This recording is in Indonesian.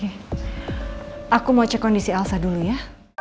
aku mau cek kondisi elsa dulu ya